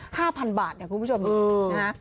๕๐๐๐บาทอย่างคุณผู้ชมดูนะฮะ